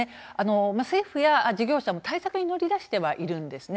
政府や事業者も対策に乗り出してはいるんです。